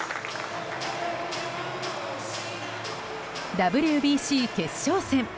ＷＢＣ決勝戦。